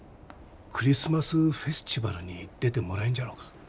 クリスマスフェスチバルに出てもらえんじゃろうか？